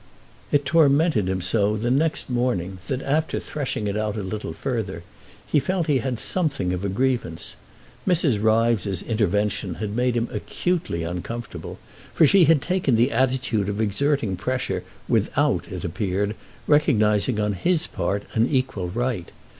IT tormented him so the next morning that after threshing it out a little further he felt he had something of a grievance. Mrs. Ryves's intervention had made him acutely uncomfortable, for she had taken the attitude of exerting pressure without, it appeared, recognising on his part an equal right.